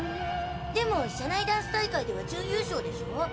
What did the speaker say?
でも社内ダンス大会では準優勝でしょ？